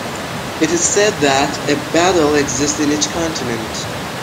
It is said that a Badal exists in each continent.